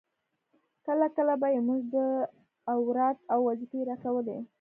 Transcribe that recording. کله کله به يې موږ ته اوراد او وظيفې راکولې.